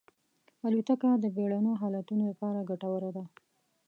الوتکه د بېړنیو حالتونو لپاره ګټوره ده.